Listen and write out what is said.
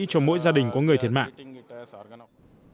cho mỗi gia đình có người thiệt mạng